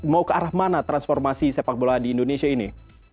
mau ke arah mana transformasi sepak bola di indonesia ini